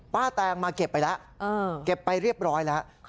แตงมาเก็บไปแล้วเก็บไปเรียบร้อยแล้ว